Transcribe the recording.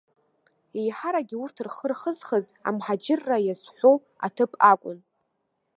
Еиҳаракгьы урҭ рхы рхызхыз амҳаџьырра иазҳәоу аҭыԥ акәын.